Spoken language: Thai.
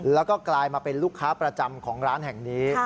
แล้วก็กลายมาเป็นลูกค้าประจำของร้านแห่งนี้